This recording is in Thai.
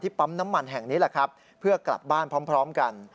ปั๊มน้ำมันแห่งนี้แหละครับเพื่อกลับบ้านพร้อมกัน